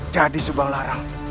jadi subang larang